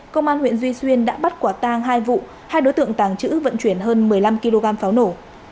công an huyện duy xuyên đã bắt quả tang hai vụ hai đối tượng tàng trữ vận chuyển hơn một mươi năm kg pháo nổ